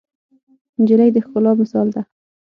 نجلۍ د ښکلا مثال ده.